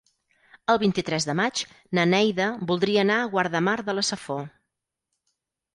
El vint-i-tres de maig na Neida voldria anar a Guardamar de la Safor.